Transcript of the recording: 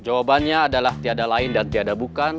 jawabannya adalah tiada lain dan tiada bukan